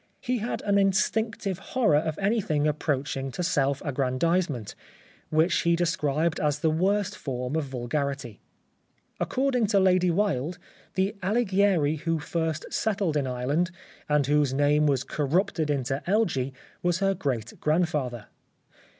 He had an instinctive horror of anything approaching to self aggrandisement, which he used to describe as the worst form of vulgarity. According to Lady Wilde, the Alighieri who first settled in Ireland and whose name was corrupted into Elgee was her great grandfather.